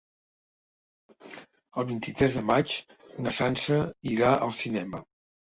El vint-i-tres de maig na Sança irà al cinema.